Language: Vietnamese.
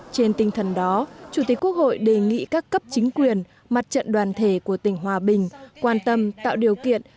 trên tinh thần đó chủ tịch quốc hội đề nghị các cấp chính quyền mặt trận đoàn thể của tỉnh hòa bình quan tâm tạo điều kiện